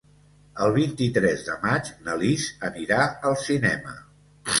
El vint-i-tres de maig na Lis anirà al cinema.